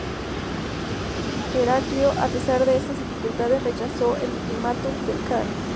Heraclio, a pesar de estas dificultades, rechazó el ultimátum del kan.